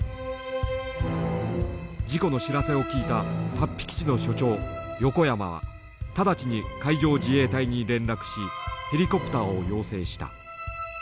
事故の知らせを聞いた竜飛基地の所長横山は直ちに海上自衛隊に連絡しヘリコプターを要請した。